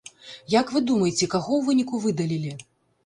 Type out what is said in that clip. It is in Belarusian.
Як вы думаеце, каго ў выніку выдалілі?